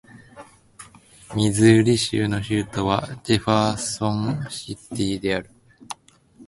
ミズーリ州の州都はジェファーソンシティである